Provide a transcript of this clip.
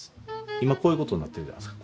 今こういうことになってるじゃないですか。